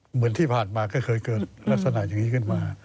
เหมือนที่ผ่านมาก็เคยเกิดลักษณะอย่างนี้ขึ้นมา